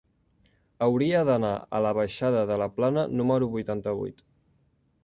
Hauria d'anar a la baixada de la Plana número vuitanta-vuit.